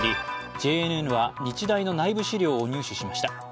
ＪＮＮは日大の内部資料を入手しました。